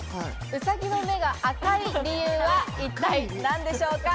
ウサギの目が赤い理由は一体何でしょうか？